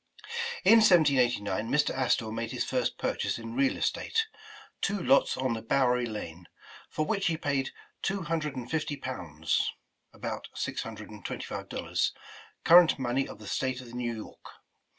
In 1789 Mr. Astor made his first purchase in real estate, two lots on the Bowery Lane, for which he paid "two hundred and fifty pounds (about six hundred and twenty five dollars) current money of the State of New York.